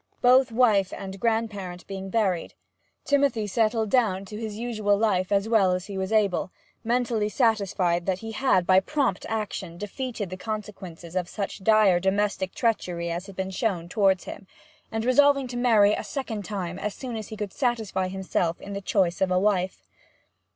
Both wife and grandparent being buried, Timothy settled down to his usual life as well as he was able, mentally satisfied that he had by prompt action defeated the consequences of such dire domestic treachery as had been shown towards him, and resolving to marry a second time as soon as he could satisfy himself in the choice of a wife.